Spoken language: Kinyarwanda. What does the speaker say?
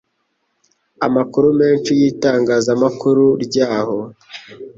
amakuru menshi y'itangazamakuru ryaho